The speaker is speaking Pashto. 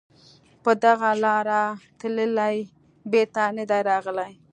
په دغه لاره تللي بېرته نه دي راغلي